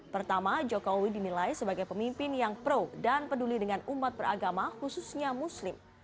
pertama jokowi dinilai sebagai pemimpin yang pro dan peduli dengan umat beragama khususnya muslim